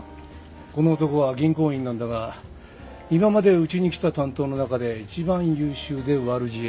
この男は銀行員なんだが今までうちに来た担当の中で一番優秀で悪知恵が働く。